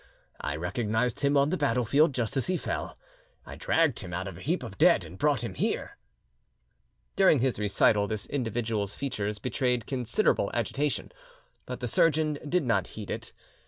I recognised him on the battle field just as he fell; I dragged him out of a heap of dead, and brought him here." During his recital this individual's features betrayed considerable agitation, but the surgeon did not heed it.